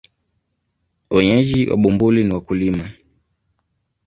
Wenyeji wa Bumbuli ni wakulima.